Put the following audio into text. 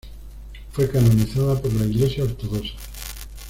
Fue canonizada por la Iglesia ortodoxa.